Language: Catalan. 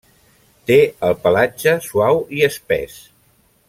Té el pelatge suau i espès.